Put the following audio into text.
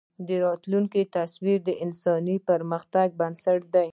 د راتلونکي تصور د انساني پرمختګ بنسټ دی.